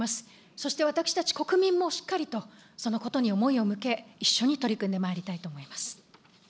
そして私たち国民もしっかりとそのことに思いを向け、一緒に取り組んでまいりたいと思います。